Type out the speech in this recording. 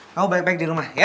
kamu balik balik dirumah ya